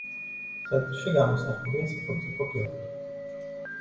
ცენტრში გამოსახულია სახელმწიფო გერბი.